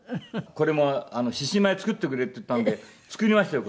これも「獅子舞作ってくれ」って言ったんで作りましたよ